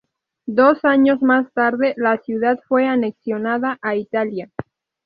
Dos años más tarde, la ciudad fue anexionada a Italia.